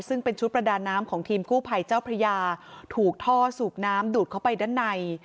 ซึ่งเป็นชุดประดาน้ำของทีมกู้ภัยเจ้าพระยาถูกท่อสูบน้ำดูดเข้าไปด้านใน